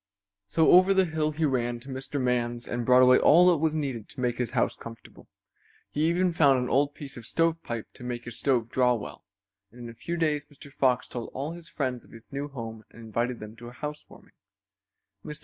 So over the hill he ran to Mr. Man's and brought away all that was needed to make his house comfortable. He even found an old piece of stovepipe to make his stove draw well, and in a few days Mr. Fox told all his friends of his new home and invited them to a housewarming. Mr.